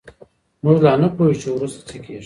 موږ لا نه پوهېږو چې وروسته څه کېږي.